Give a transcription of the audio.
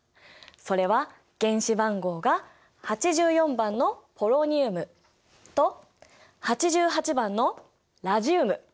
それは原子番号が８４番のポロニウムと８８番のラジウム。